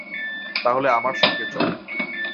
তাহলে আমার সঙ্গে চলো।